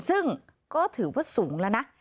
ซึ่งก็ถือว่าสูงแล้วนะ